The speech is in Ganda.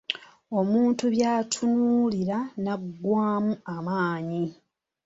Omuntu by'atunuulira n'aggwaamu amaanyi.